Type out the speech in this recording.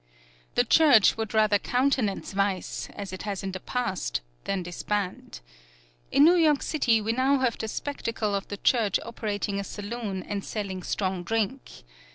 The Church would rather countenance vice, as it has in the past, than disband. In New York City we now have the spectacle of the Church operating a saloon and selling strong drink.